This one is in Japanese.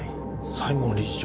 西門理事長